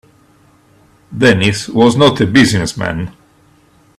Dennis was not a business man.